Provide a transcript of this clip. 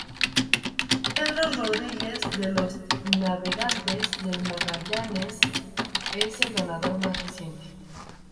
Pedro Rodríguez de los Navegantes del Magallanes es el ganador más reciente.